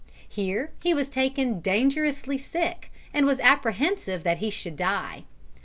Here he was taken dangerously sick, and was apprehensive that he should die.